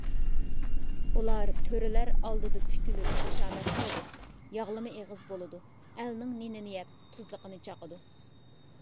ئۇلار تۆرىلەر ئالدىدا پۈكۈلۈپ، خۇشامەت قىلىدۇ، ياغلىما ئېغىز بولىدۇ، ئەلنىڭ نېنىنى يەپ، تۇزلۇقىنى چاقىدۇ.